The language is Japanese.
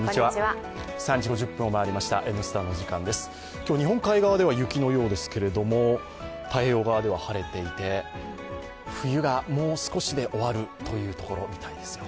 今日、日本海側では雪のようですけども、太平洋側では晴れていて、冬がもう少しで終わるというところみたいですよ。